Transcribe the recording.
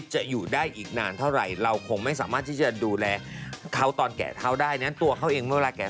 จริงที่ทำใจได้เขาบอกว่าเขาดีกับเรามามากแล้ว